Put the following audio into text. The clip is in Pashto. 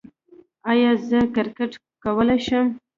ایا زه کرکټ کولی شم؟